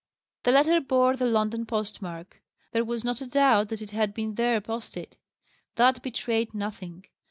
The letter bore the London post mark. There was not a doubt that it had been there posted. That betrayed nothing.